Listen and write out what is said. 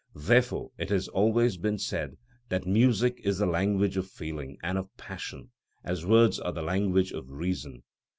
Therefore it has always been said that music is the language of feeling and of passion, as words are the language of reason.